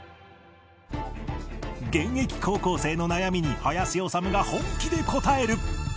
現役高校生の悩みに林修が本気で答える